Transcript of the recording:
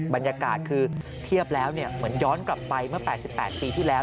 บรรยากาศคือเทียบแล้วเหมือนย้อนกลับไปเมื่อ๘๘ปีที่แล้ว